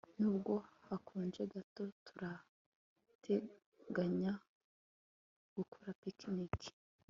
Nubwo hakonje gato turateganya gukora picnic